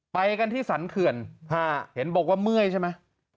ไปกันที่สรรเขื่อนเห็นบอกว่าเมื่อยใช่ไหม